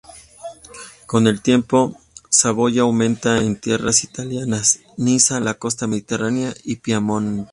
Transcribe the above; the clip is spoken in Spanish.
Con el tiempo, Saboya aumenta en tierras italianas: Niza, la costa mediterránea y Piamonte.